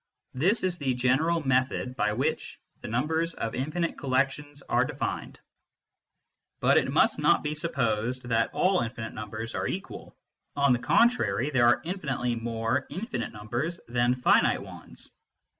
This is the general method by which the numbers of infinite collections are defined. But it must not be supposed that all infinite numbers are equal. On the contrary, there are infinitely more infinite numbers than finite ones.